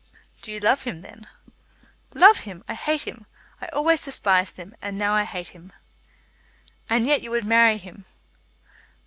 "Do you love him, then?" "Love him! I hate him. I always despised him, and now I hate him." "And yet you would marry him?"